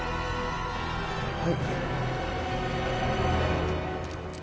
はい。